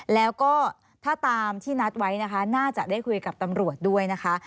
แล้วก็ถ้าตามที่นัดไว้นะคะน่าจะได้คุยกับตำรวจด้วยนะคะ